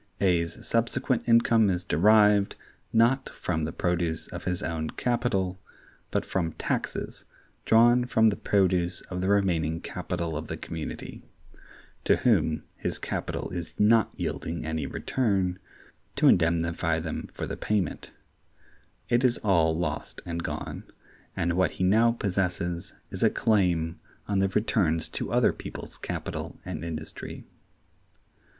A's subsequent income is derived, not from the produce of his own capital, but from taxes drawn from the produce of the remaining capital of the community; to whom his capital is not yielding any return, to indemnify them for the payment; it is all lost and gone, and what he now possesses is a claim on the returns to other people's capital and industry.